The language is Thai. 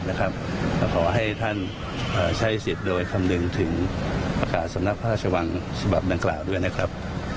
แล้วขอให้ท่านใช้สิทธิ์โดยคำนึงถึงประกาศสำนักพระราชวังฉบับดังกล่าวด้วยนะครับ